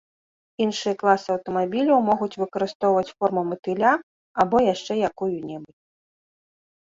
Іншыя класы аўтамабіляў могуць выкарыстоўваць форму матыля або яшчэ якую-небудзь.